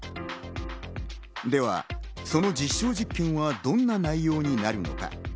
では、その実証実験はどんな内容になるのか。